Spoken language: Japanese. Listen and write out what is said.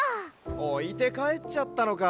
おいてかえっちゃったのか。